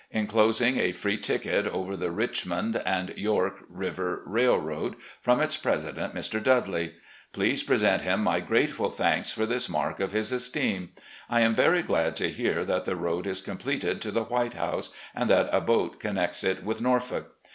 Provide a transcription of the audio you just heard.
inclosing a free ticket over the Richmond & York River Railroad, from its president, Mr. Dudley. Please present him my grateful thanks for this mark of his esteem. I am very glad to hear that the road is completed to the White House, and that a boat connects it with Norfolk.